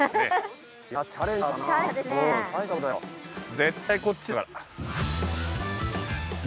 絶対こっちだよ。